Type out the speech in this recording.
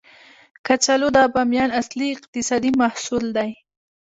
کچالو د بامیان اصلي اقتصادي محصول دی